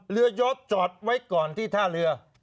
ยศจอดไว้ก่อนที่ท่าเรือ